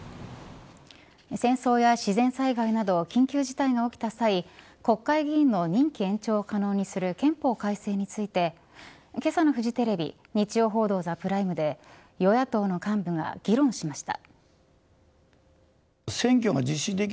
戦争や自然災害など緊急事態が起きた際国会議員の任期延長を可能にする憲法改正についてけさのフジテレビ日曜報道ＴＨＥＰＲＩＭＥで与野党の幹部が議論しました。